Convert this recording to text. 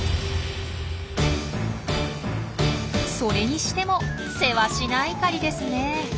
それにしてもせわしない狩りですね。